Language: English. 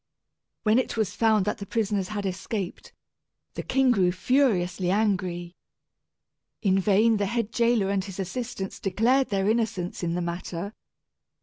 When it was found that the prisoners had escaped, the king grew furiously angry. In vain the head jailor and his assistants declared their innocence in the matter.